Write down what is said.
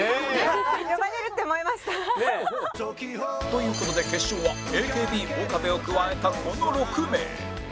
という事で決勝は ＡＫＢ 岡部を加えたこの６名